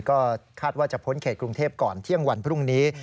ก็คาดว่าจะพ้นเขตกรุงเทพก่อนเที่ยงวันพรุ่งนี้